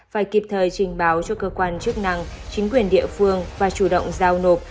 phải kịp thời trình báo cho cơ quan chức năng chính quyền địa phương và chủ động giao nộp